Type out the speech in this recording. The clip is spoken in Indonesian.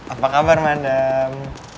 apa kabar madam